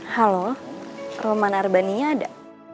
halo roman arbani nya ada